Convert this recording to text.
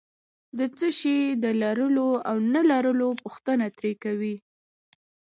د څه شي د لرلو او نه لرلو پوښتنه ترې کوي.